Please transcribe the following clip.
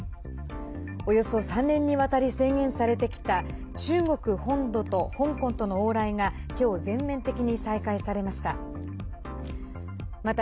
およそ３年にわたり制限されてきた中国本土と香港との往来が今日、全面的に再開されました。